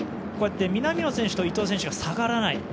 南野選手と伊東選手が下がらない。